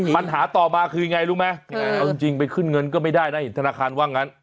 ปัญหาต่อมาคือยังไงรู้ไหมเอาจริงไปขึ้นเงินก็ไม่ได้นะเห็นธนาคารว่างั้น